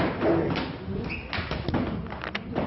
มต้นหนาเอาไปดูคลิปก่อนครับ